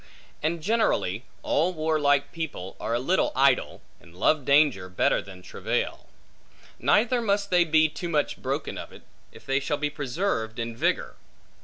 And generally, all warlike people are a little idle, and love danger better than travail. Neither must they be too much broken of it, if they shall be preserved in vigor.